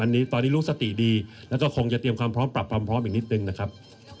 น้อง๔คนไปวันนี้เริ่มลูกสติดีแล้วก็คงจะเตรียมปรับปรับภาพอีกนิดหนึ่งนะครับ